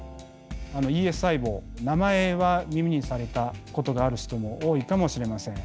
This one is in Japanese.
ＥＳ細胞名前は耳にされたことがある人も多いかもしれません。